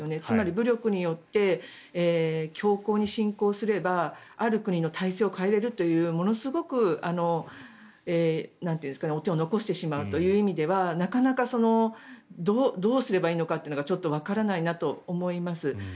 つまり武力によって強行に侵攻すればある国の体制を変えられるというものすごく手を残してしまうという意味ではなかなか、どうすればいいのかがわからないなと思います。